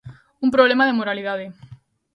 "Un problema de moralidade".